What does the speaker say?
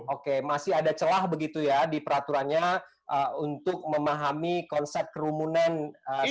oke masih ada celah begitu ya di peraturannya untuk memahami konsep kerumunan